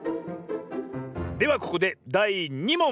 ⁉ではここでだい２もん！